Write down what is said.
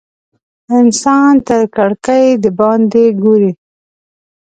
انسان تر کړکۍ د باندې ګوري.